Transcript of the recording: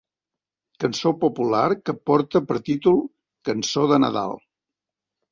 Cançó popular que porta per títol Cançó de Nadal